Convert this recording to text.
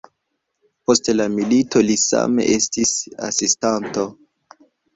Post la milito li same estis asistanto.